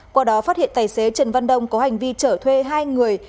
qua đó phát hiện tài xế trần văn đông có hành vi chở thuê hai người